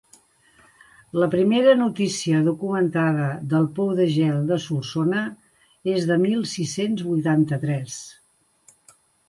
La primera notícia documentada del pou de gel de Solsona és del mil sis-cents vuitanta-tres.